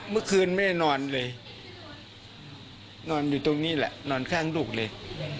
เมื่อคืนแม่นอนเลยนอนอยู่ตรงนี้แหละนอนข้างลูกเลย